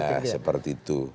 ya seperti itu